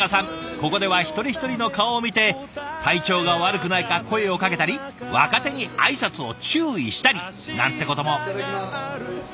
ここでは一人一人の顔を見て体調が悪くないか声をかけたり若手に挨拶を注意したりなんてことも。